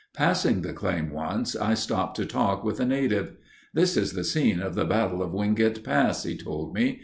Passing the claim once, I stopped to talk with a native: "This is the scene of the Battle of Wingate Pass," he told me.